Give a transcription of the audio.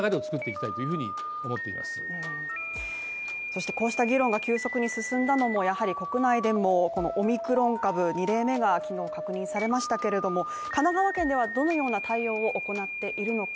そしてこうした議論が急速に進んだのもやはり国内でもこのオミクロン株２例目が昨日確認されましたけれども、神奈川県ではどのような対応を行っているのか